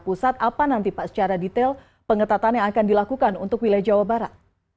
pusat apa nanti pak secara detail pengetatan yang akan dilakukan untuk wilayah jawa barat